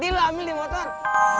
tidak ada bucinan iri